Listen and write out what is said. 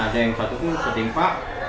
ada yang satu pun ketimpa